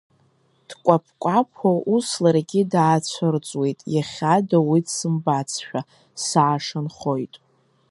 Дкәаԥкәаԥуа ус ларгьы даацәырҵуеит, иахьада уи дсымбацшәа, саашанхоит.